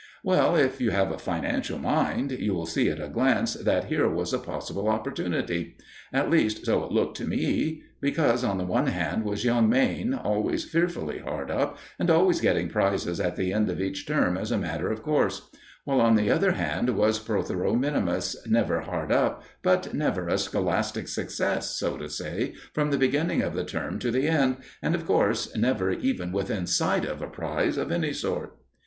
Well, if you have a financial mind, you will see at a glance that here was a possible opportunity. At least, so it looked to me. Because on the one hand was young Mayne, always fearfully hard up and always getting prizes at the end of each term as a matter of course; while on the other hand was Protheroe min., never hard up but never a scholastic success, so to say, from the beginning of the term to the end and, of course, never even within sight of a prize of any sort.